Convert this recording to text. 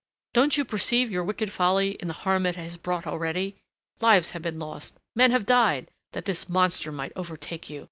"Don't you perceive your wicked folly in the harm it has brought already? Lives have been lost men have died that this monster might overtake you.